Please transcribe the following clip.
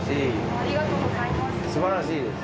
ありがとうございます。